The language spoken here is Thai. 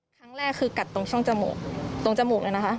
ครั้งแรกคือกัดตรงช่องจมูกตรงจมูกเลยนะคะ